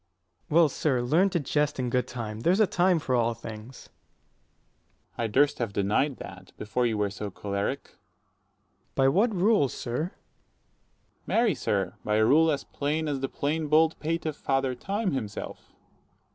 Ant. S. Well, sir, learn to jest in good time: there's a time for all things. Dro. S. I durst have denied that, before you were so 65 choleric. Ant. S. By what rule, sir? Dro. S. Marry, sir, by a rule as plain as the plain bald pate of father Time himself.